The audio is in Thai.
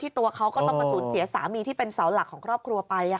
ตัวเขาก็ต้องมาสูญเสียสามีที่เป็นเสาหลักของครอบครัวไป